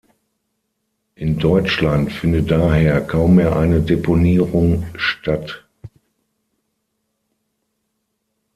In Deutschland findet daher kaum mehr eine Deponierung statt.